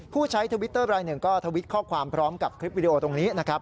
ผู้ใช้ทวิตเตอร์รายหนึ่งก็ทวิตข้อความพร้อมกับคลิปวิดีโอตรงนี้นะครับ